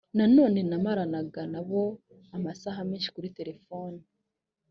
nanone namaranaga na bo amasaha menshi kuri telefoni